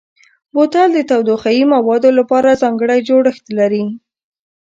بوتل د تودوخهيي موادو لپاره ځانګړی جوړښت لري.